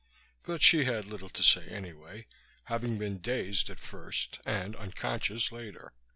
But she had little to say anyway, having been dazed at first and unconscious later.